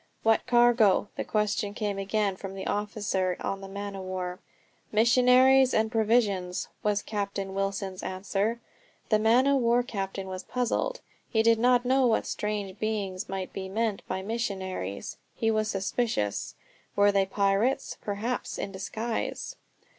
"What cargo?" The question came again from the officer on the man o' war. "Missionaries and provisions," was Captain Wilson's answer. The man o' war's captain was puzzled. He did not know what strange beings might be meant by missionaries. He was suspicious. Were they pirates, perhaps, in disguise!